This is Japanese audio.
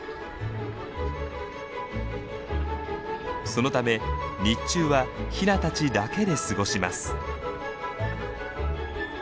そのため日中はヒナたちだけで過ごします。